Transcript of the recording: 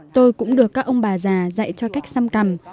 tôi cũng được các ông bà già dạy cho cách xăm cằm